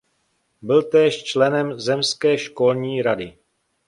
Byl též členem zemské školní rady.